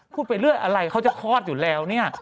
ไปเรื่อยอะไรเขาจะคลอดอยู่แล้วเนี่ย